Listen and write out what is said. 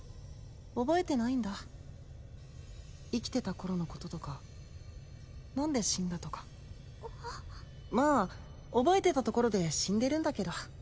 覚えてないんだ生きてた頃のこととか何で死んだとかまあ覚えてたところで死んでるんだけど